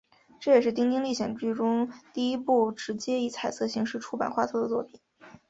这也是丁丁历险记中第一部直接以彩色形式出版画册的作品。